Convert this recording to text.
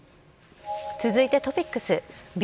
続いてトピックス。